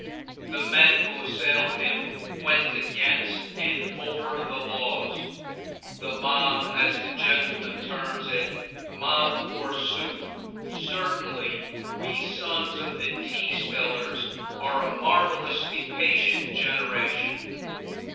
The men who assailed him went against and over the laws. The mob as the gentleman terms it, mob, forsooth! certainly we sons of the tea spillers are a marvelously patient generation!